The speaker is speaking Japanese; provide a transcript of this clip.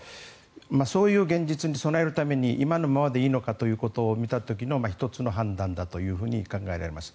そういう現実に備えるために今のままでいいのかということを見た時の１つの判断だと考えられます。